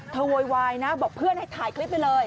โวยวายนะบอกเพื่อนให้ถ่ายคลิปไว้เลย